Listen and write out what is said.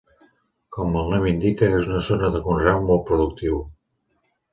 Com el nom indica, és una zona de conreu molt productiu.